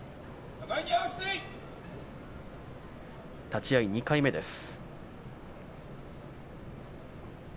立ち合い２回目です。